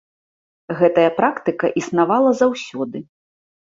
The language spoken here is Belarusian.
Гэтая практыка існавала заўсёды.